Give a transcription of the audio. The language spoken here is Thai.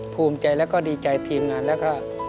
ภูมิใจและก็ดีใจทีมงานและค่ะ